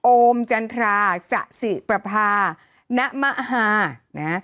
โอมจันทราสะสิประพานะมะฮา